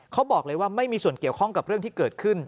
เขาบอกเลยว่าไม่มีส่วนเกี่ยวข้องกับเรื่องที่เกิดขึ้น